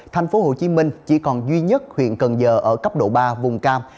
tp hcm chỉ còn duy nhất huyện cần giờ ở cấp độ ba vùng cam